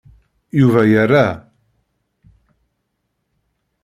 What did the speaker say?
Yuba yerra.